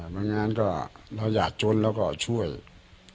บางงานก็เรายากชนเราก็ช่วย